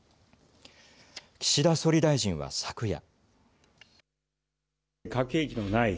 岸田総理大臣は昨夜。